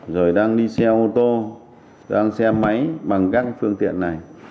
rồi đang đi xe ô tô đang xe máy bằng các phương tiện này